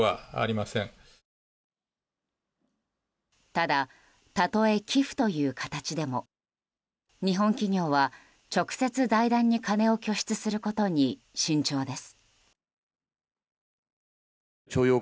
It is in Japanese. ただ、たとえ寄付という形でも日本企業は直接、財団に金を拠出することに慎重です。